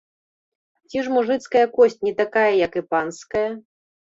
Ці ж мужыцкая косць не такая, як і панская?